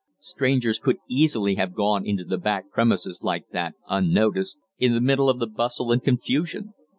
Strangers could easily have gone into the back premises like that, unnoticed, in the middle of the bustle and confusion.